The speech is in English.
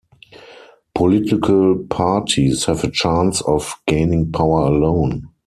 Political parties have a chance of gaining power alone.